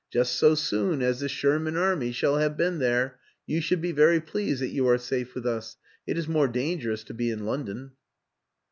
Just so soon as the Sher man Army shall have been there. You should be very pleased that you are safe with us: it is more dangerous to be in London."